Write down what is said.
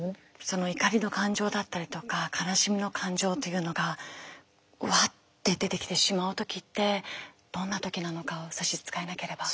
その怒りの感情だったりとか悲しみの感情というのがわっって出てきてしまう時ってどんな時なのか差し支えなければ。